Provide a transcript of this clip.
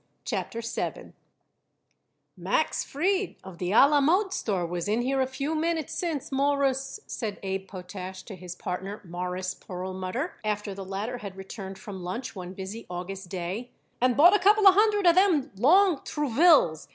CHAPTER VII "Max Fried, of the A La Mode Store, was in here a few minutes since, Mawruss," said Abe Potash, to his partner, Morris Perlmutter, after the latter had returned from lunch one busy August day, "and bought a couple of hundred of them long Trouvilles.